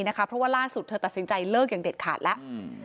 เพราะว่าล่าสุดเธอตัดสินใจเลิกอย่างเด็ดขาดแล้ว